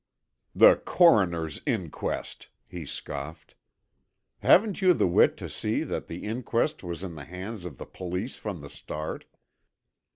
"The coroner's inquest!" he scoffed. "Haven't you the wit to see that the inquest was in the hands of the police from the start?